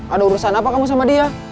ada urusan apa kamu sama dia